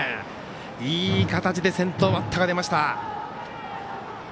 いい形で先頭バッターが出ました。